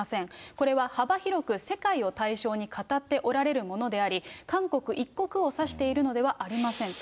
これは幅広く、世界を対象に語っておられるものであり、韓国一国を指しているのではありませんと。